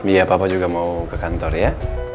iya papa juga mau ke kantor ya